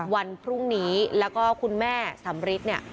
วันพรุ่งนี้แล้วก็คุณแม่สำริทเนี่ย